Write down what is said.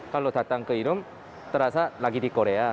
kalau datang ke e room terasa lagi di korea